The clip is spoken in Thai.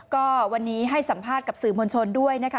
ก็วันนี้ให้สัมภาษณ์กับสื่อมวลชนด้วยนะคะ